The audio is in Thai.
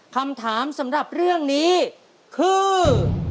คำถามสำหรับเรื่องนี้คือ